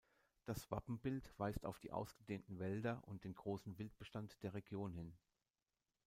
Das Wappenbild weist auf die ausgedehnten Wälder und den grossen Wildbestand der Region hin.